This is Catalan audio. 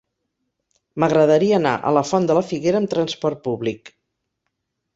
M'agradaria anar a la Font de la Figuera amb transport públic.